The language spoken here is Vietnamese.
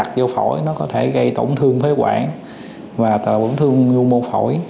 nếu mà mình uống vô phổi nó có thể gây tổn thương phế quản và tổn thương vô mô phổi